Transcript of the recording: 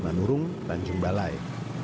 menurung tanjung balai